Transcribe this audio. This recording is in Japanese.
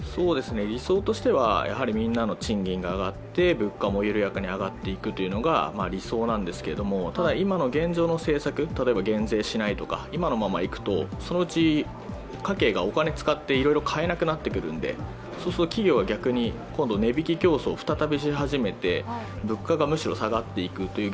理想としては、みんなの賃金が上がって物価も緩やかに上がっていくというのが理想なんですけれども今の現状の政策、例えば減税しないとか、今のままいくと、そのうち家計がお金を使っていろいろ買えなくなってくるので、逆に企業は今度は値引き競争を再びし始めて物価がむしろ下がっていくという